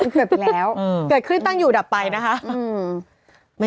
เกิดขึ้นตั้งอยู่ดับไปนะคะ